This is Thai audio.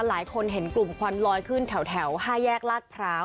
หลายคนเห็นกลุ่มควันลอยขึ้นแถว๕แยกลาดพร้าว